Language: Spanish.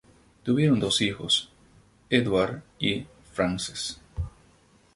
Tuvieron dos hijos, Edward y Frances.